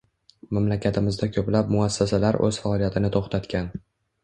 Mamlakatimizda koʻplab muassasalar oʻz faoliyatini toʻxtatgan